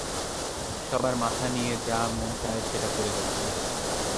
সবার মাথা নিয়ে যা মন চায় সেটা করে যাচ্ছিস।